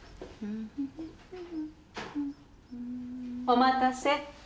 お待たせ。